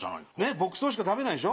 牧草しか食べないでしょ？